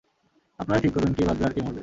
আপনারাই ঠিক করবেন, কে বাঁচবে আর কে মরবে।